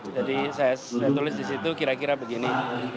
jadi saya tulis di situ kira kira begini